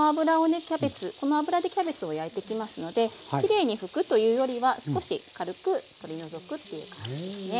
キャベツこの脂でキャベツを焼いていきますのできれいに拭くというよりは少し軽く取り除くっていう感じですね。